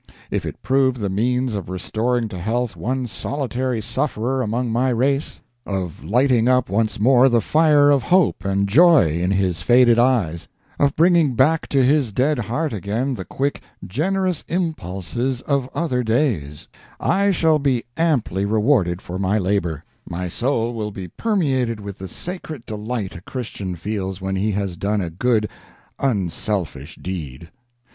If it prove the means of restoring to health one solitary sufferer among my race, of lighting up once more the fire of hope and joy in his faded eyes, or bringing back to his dead heart again the quick, generous impulses of other days, I shall be amply rewarded for my labor; my soul will be permeated with the sacred delight a Christian feels when he has done a good, unselfish deed.